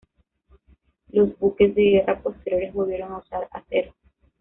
Los buques de guerra posteriores volvieron a usar acero.